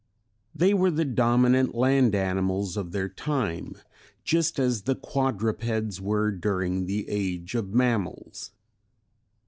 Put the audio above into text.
They were the dominant land animals of their time, just as the quadrupeds were during the Age of Mammals.